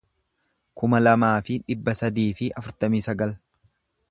kuma lamaa fi dhibba sadii fi afurtamii sagal